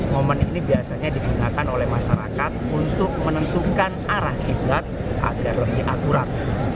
momen ini biasanya digunakan oleh masyarakat untuk menentukan arah qiblat agar lebih akurat